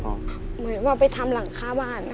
เหมือนว่าไปทำหลังคาบ้าน